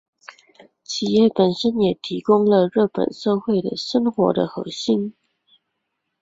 企业本身也提供了日本社会生活的核心。